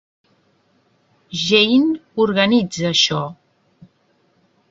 Jane, organitza això.